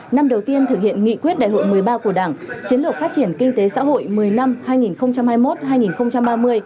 năm đầu tiên thực hiện nghị quyết đại hội một mươi ba của đảng chiến lược phát triển kinh tế xã hội một mươi năm hai nghìn hai mươi một hai nghìn ba mươi